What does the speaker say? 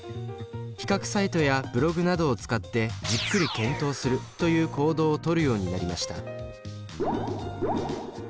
比較サイトやブログなどを使ってじっくり検討するという行動を取るようになりました。